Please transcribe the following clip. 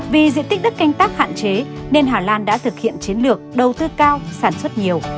vì diện tích đất canh tác hạn chế nên hà lan đã thực hiện chiến lược đầu tư cao sản xuất nhiều